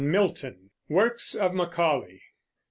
WORKS OF MACAULAY.